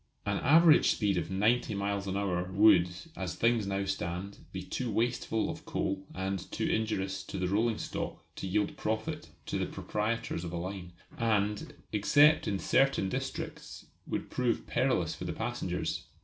An average speed of ninety miles an hour would, as things now stand, be too wasteful of coal and too injurious to the rolling stock to yield profit to the proprietors of a line; and, except in certain districts, would prove perilous for the passengers.